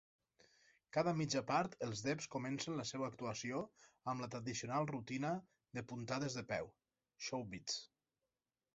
Cada mitja part, els Debs comencen la seva actuació amb la tradicional rutina de puntades de peu, "Showbiz".